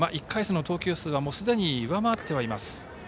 １回戦の投球数はすでに上回っています。